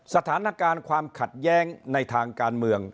สถานการณ์ความขัดแย้งในทางการเมือง